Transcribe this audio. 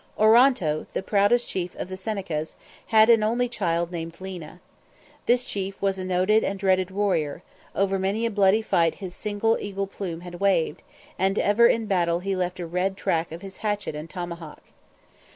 Oronto, the proudest chief of the Senecas, had an only child named Lena. This chief was a noted and dreaded warrior; over many a bloody fight his single eagle plume had waved, and ever in battle he left the red track of his hatchet and tomahawk.